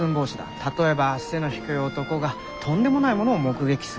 例えば背の低い男がとんでもないものを目撃する。